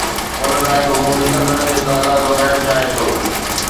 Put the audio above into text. ان لاءِ هو ڏسندڙن جو تعداد وڌائڻ چاهي ٿو.